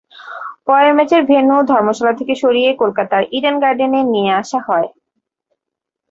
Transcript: পরে ম্যাচের ভেন্যু ধর্মশালা থেকে সরিয়ে কলকাতার ইডেন গার্ডেনে নিয়ে আসা হয়।